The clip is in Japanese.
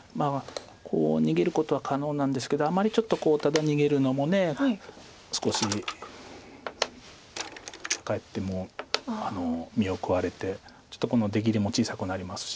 こう逃げることは可能なんですけどあまりちょっとただ逃げるのも少しかえってもう身を食われてちょっとこの出切りも小さくなりますし。